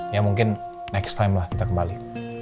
ya mungkin next time lah kita kembali